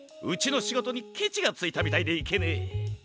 うちのしごとにケチがついたみたいでいけねえ。